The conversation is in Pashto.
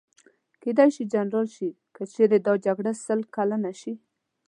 کېدای شي جنرال شي، که چېرې دا جګړه سل کلنه شي.